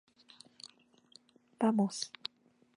ばもす。